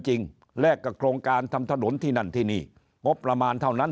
แลกกับโครงการทำถนนที่นั่นที่นี่งบประมาณเท่านั้น